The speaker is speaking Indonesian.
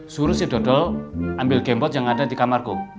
suruh si dodol ambil gambot yang ada di kamarku